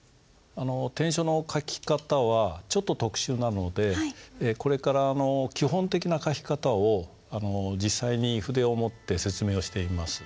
篆書の書き方はちょっと特殊なのでこれから基本的な書き方を実際に筆を持って説明をしてみます。